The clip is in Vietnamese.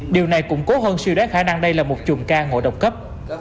điều này cũng cố hơn siêu đáy khả năng đây là một chuồng ca ngội độc cấp